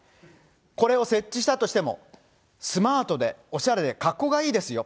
これを設置したとしても、スマートで、おしゃれでかっこがいいですよ。